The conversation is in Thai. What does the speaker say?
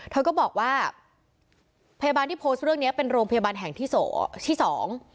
เธอก็บอกว่าพยาบาลที่โพสต์เรื่องเนี้ยเป็นโรงพยาบาลแห่งที่โสที่สอง